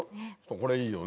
これいいよね。